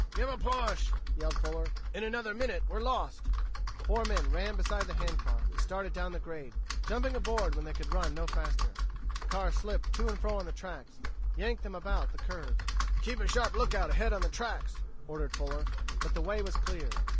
"Give a push!" yelled Fuller. "In another minute we're lost." The four men ran beside the hand car and started down the grade, jumping aboard when they could run no faster. The car slipped to and fro on the tracks, yanked them about the curves. "Keep a sharp lookout ahead on the tracks," ordered Fuller. But the way was clear.